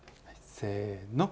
せの。